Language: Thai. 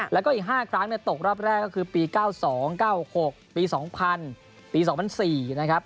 แล้วก็อีก๕ครั้งตกรอบแรกก็คือปี๙๒๙๖ปี๒๐๐ปี๒๐๐๔นะครับ